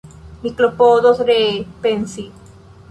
Mi klopodos ree pensi.